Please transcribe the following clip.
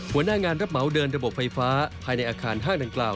หัวหน้างานรับเหมาเดินระบบไฟฟ้าภายในอาคารห้างดังกล่าว